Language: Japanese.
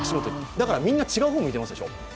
だから、みんな違う方向いてますでしょ？